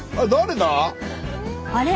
あれ？